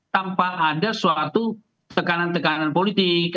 tanpa ada suatu tekanan tekanan politik